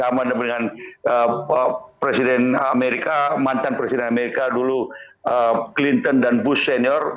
sama dengan presiden amerika mantan presiden amerika dulu clinton dan bush senior